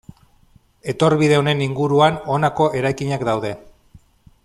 Etorbide honen inguruan honako eraikinak daude.